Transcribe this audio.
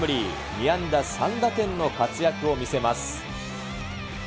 ２安打３打点の活躍を見せます。